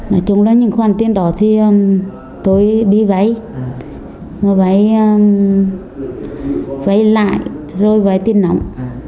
nói chung là những khoản tiền đó thì tôi đi vấy vấy lại rồi vấy tiền nóng